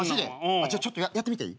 ちょっとやってみていい？